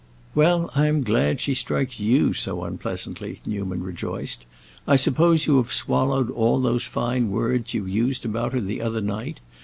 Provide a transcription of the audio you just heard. "Well, I am glad she strikes you so unpleasantly," Newman rejoiced. "I suppose you have swallowed all those fine words you used about her the other night.